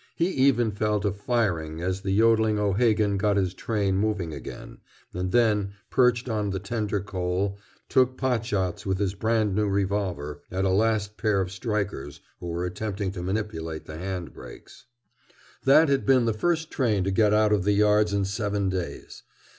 He even fell to "firing" as the yodeling O'Hagan got his train moving again, and then, perched on the tender coal, took pot shots with his brand new revolver at a last pair of strikers who were attempting to manipulate the hand brakes. That had been the first train to get out of the yards in seven days.